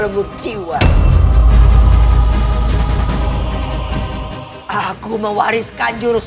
ini ada ni